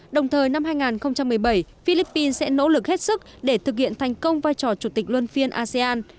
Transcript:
đồng thời năm hai nghìn một mươi bảy philippines sẽ nỗ lực hết sức để thực hiện thành công vai trò chủ tịch luân phiên asean